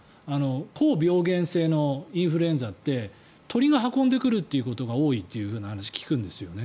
高病原性のインフルエンザって鳥が運んでくることが多いという話を聞くんですよね。